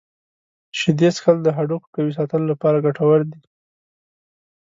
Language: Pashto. شیدې څښل د هډوکو قوي ساتلو لپاره ګټور دي.